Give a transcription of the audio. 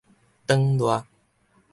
轉熱